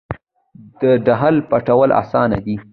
د ډهل پټول اسانه دي .